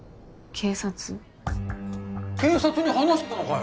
警察に話してたのかよ？